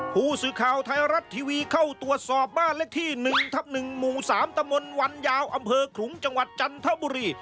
ผู้สื่อข่าวไทยรัฐทีวีเข้าตรวจสอบบ้านเลขที่๑ทับ๑หมู่๓ตะมนต์วันยาวอำเภอขลุงจังหวัดจันทบุรี